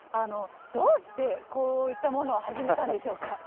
どうしてこういったものを始めたんでしょうか。